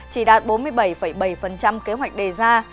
chỉ đạt bốn mươi bảy bảy kế hoạch đề ra